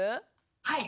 はい。